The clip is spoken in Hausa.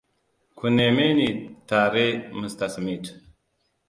Ku neme ni tare Mr Smith.